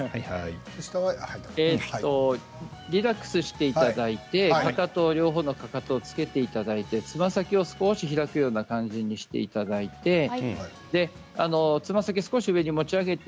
リラックスしていただいて両方のかかとをつけていただいてつま先を少し開くような形にしていただいてつま先を少し上に持ち上げて